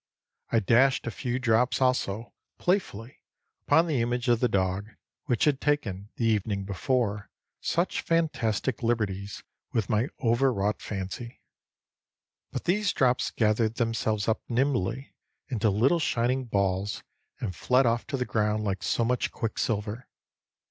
I dashed a few drops also, playfully, upon the image of the dog, which had taken, the evening before, such fantastic liberties with my overwrought fancy. But these drops gathered themselves up nimbly into little shining balls, and fled off to the ground like so much quicksilver.